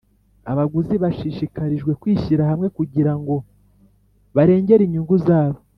Abaguzi bashishikarijwe kwishyira hamwe kugira ngo barengere inyungu zabo